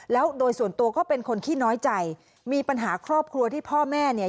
แล้วโดยส่วนตัวก็เป็นคนขี้น้อยใจมีปัญหาครอบครัวที่พ่อแม่เนี่ย